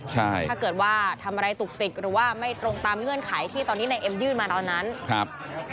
ใช่ถ้าเกิดว่าทำอะไรตุกติกหรือว่าไม่ตรงตามเงื่อนไขที่ตอนนี้นายเอ็มยื่นมาตอนนั้นครับ